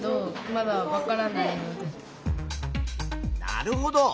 なるほど。